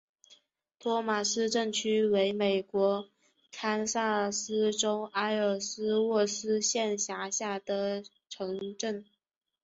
托马斯镇区为美国堪萨斯州埃尔斯沃思县辖下的镇区。